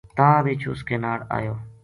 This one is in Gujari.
تاں رچھ اس کے ناڑ اَیو